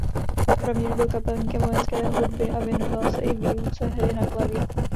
Rovněž byl kapelníkem vojenské hudby a věnoval se i výuce hry na klavír.